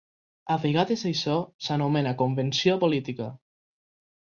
A vegades això s'anomena convenció política.